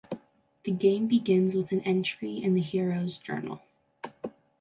The game begins with an entry in the hero's journal.